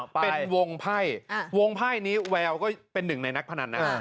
เป็นวงไพ่วงไพ่นี้แววก็เป็นหนึ่งในนักพนันนะ